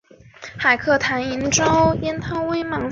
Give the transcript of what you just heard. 后世有人将他比作汉朝的贾谊。